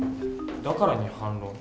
「だから」に反論？